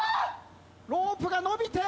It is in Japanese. ロープが伸びて。